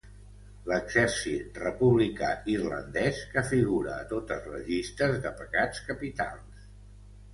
L'exèrcit republicà irlandès que figura a totes les llistes de pecats capitals.